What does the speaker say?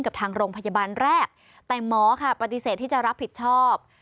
กับทางโรงพยาบาลแรกแต่หมอค่ะปฏิเสธที่จะรับผิดชอบ